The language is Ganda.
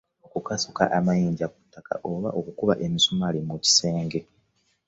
Okukasuka amayinja ku ttaka, oba okukuba emisumaali mu kisenge.